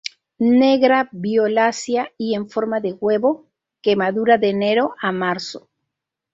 Negra violácea y en forma de huevo que madura de enero a marzo.